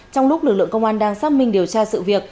trong lúc lực lượng công an đang xác minh điều tra sự việc